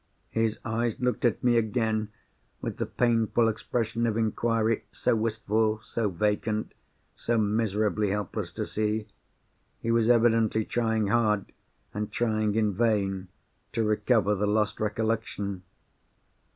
His eyes looked at me again with the painful expression of inquiry, so wistful, so vacant, so miserably helpless to see. He was evidently trying hard, and trying in vain, to recover the lost recollection.